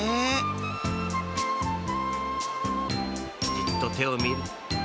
［じっと手を見る］